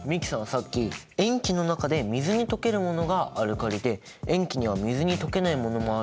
さっき塩基の中で水に溶けるものがアルカリで塩基には水に溶けないものもあるって言ってたじゃん？